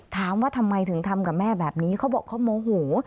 ถามว่าทำไมถึงทำกับแม่แบบนี้เขาบอกเขาโมโห